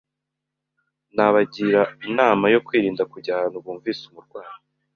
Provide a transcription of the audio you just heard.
Nabagira inama yo kwirinda kujya ahantu bumvise umurwayi